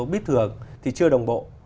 bít thường thì chưa đồng bộ